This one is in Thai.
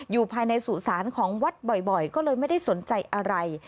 อยู่ภายในสู่ศาลของวัดบ่อยก็เลยไม่ได้สนใจอะไร